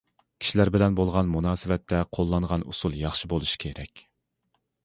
كىشىلەر بىلەن بولغان مۇناسىۋەتتە قوللانغان ئۇسۇل ياخشى بولۇشى كېرەك.